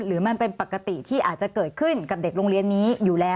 หรือมันเป็นปกติที่อาจจะเกิดขึ้นกับเด็กโรงเรียนนี้อยู่แล้ว